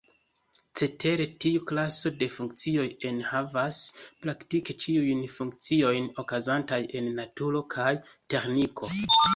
Cetere tiu klaso de funkcioj enhavas praktike ĉiujn funkciojn okazantaj en naturo kaj teĥniko.